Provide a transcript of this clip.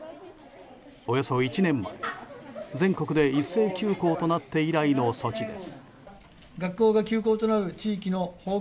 およそ１年前全国で一斉休校となって以来の措置です。